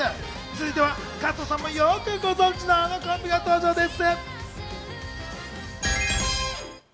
続いては、加藤さんもよくご存じのあのコンビが登場です。